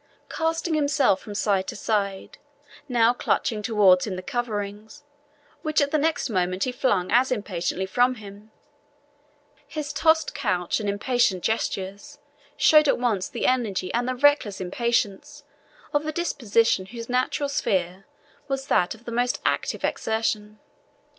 Casting himself from side to side, now clutching towards him the coverings, which at the next moment he flung as impatiently from him, his tossed couch and impatient gestures showed at once the energy and the reckless impatience of a disposition whose natural sphere was that of the most active exertion.